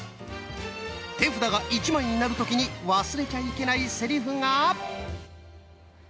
手札が１枚になる時に忘れちゃいけないセリフが。